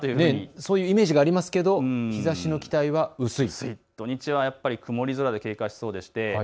そういうイメージがありますが日ざしの期待は薄い、土日は曇り空で経過しそうです。